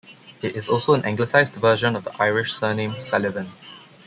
It is also an anglicised version of the Irish surname Sullivan.